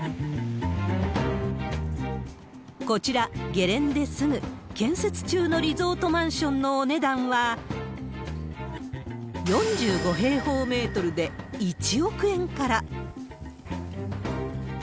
こちら、ゲレンデすぐ、建設中のリゾートマンションのお値段は、４５平方メートルで１億円から。